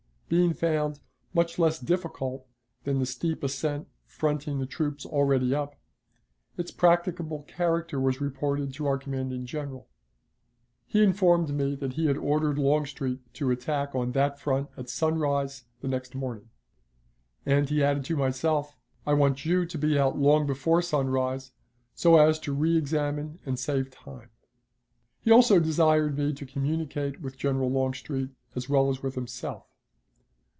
Being found much less difficult than the steep ascent fronting the troops already up, its practicable character was reported to our commanding General. He informed me that he had ordered Longstreet to attack on that front at sunrise the next morning. And he added to myself, 'I want you to be out long before sunrise so as to reexamine and save time.' He also desired me to communicate with General Longstreet as well as with himself.